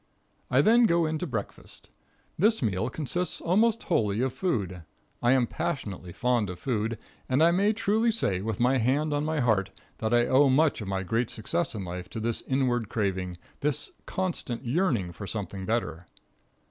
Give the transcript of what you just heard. I then go in to breakfast. This meal consists almost wholly of food. I am passionately fond of food, and I may truly say, with my hand on my heart, that I owe much of my great success in life to this inward craving, this constant yearning for something better.